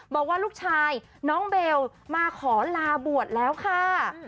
บอกว่าลูกชายน้องเบลมาขอลาบวชแล้วค่ะ